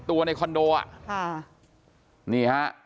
ตัวในคอนโดอ่ะ